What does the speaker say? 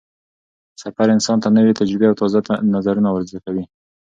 سفر انسان ته نوې تجربې او تازه نظرونه ور زده کوي